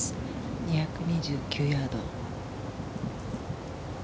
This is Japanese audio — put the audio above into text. ２２９ヤード。